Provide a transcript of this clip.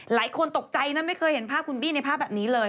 หลายคนตกใจนะไม่เคยเห็นภาพคุณบี้ในภาพแบบนี้เลย